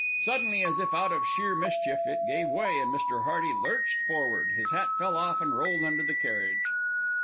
Suddenly as if out of sheer mischief it gave way, and Mr. Hearty lurched forward, his hat fell off and rolled under the carriage.